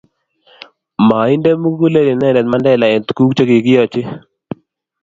Mainde mugulel inendet Mandela eng' tuguk che kikiyochi